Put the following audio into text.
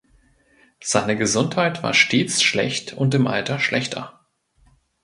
Seine Gesundheit war stets schlecht und im Alter schlechter.